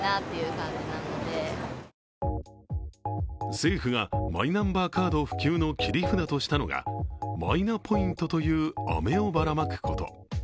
政府がマイナンバーカード普及の切り札としたのがマイナポイントというアメをばらまくこと。